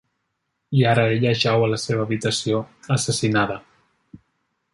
I ara ella jau a la seva habitació, assassinada!